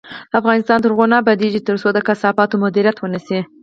افغانستان تر هغو نه ابادیږي، ترڅو د کثافاتو مدیریت ونشي.